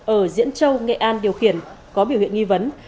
ở diễn châu nghệ an điều khiển có biểu hiện nghi vấn